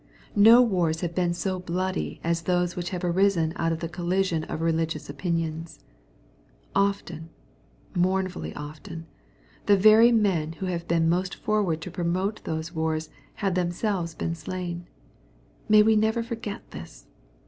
CNo wars have been so bloody as those which have arisen out of the collision of religious opinions* Often, mournfully often, the very men who have been most forward to promote those wars, have themselves been ^ slain. May we never forget this